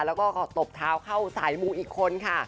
แล้วก็ตบเท้าเข้าสายมูอีกคนค่ะ